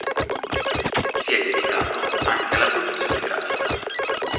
Si è dedicato anche alla produzione grafica.